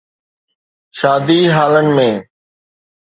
شادي هالن ۾.